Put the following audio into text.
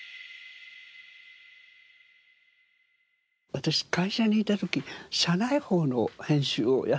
私会社にいた時社内報の編集をやってたんです。